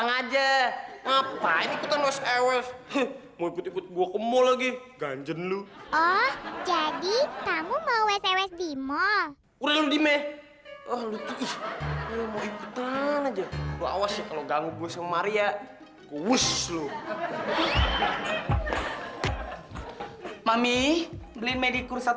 sampai jumpa di video selanjutnya